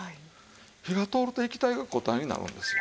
火が通ると液体が固体になるんですよ。